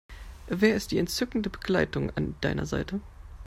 Wer ist die entzückende Begleitung an deiner Seite?